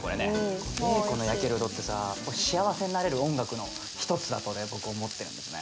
ベーコンの焼ける音ってさ幸せになれる音楽の一つだとボク思ってるんですね。